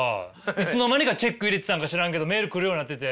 いつの間にかチェック入れてたんか知らんけどメール来るようになってて。